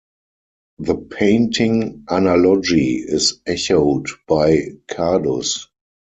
The painting analogy is echoed by Cardus.